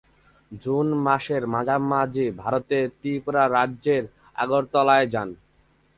June মাসের মাঝামাঝি ভারতের ত্রিপুরা রাজ্যের আগরতলায় যান।